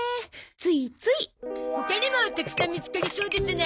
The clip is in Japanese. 他にもたくさん見つかりそうですな。